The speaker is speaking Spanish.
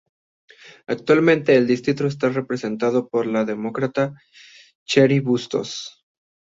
Actualmente el distrito está representado por la Demócrata Cheri Bustos.